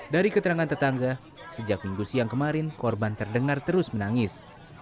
dari keterangan tetangga sejak minggu siang kemarin korban terdengar terus menangis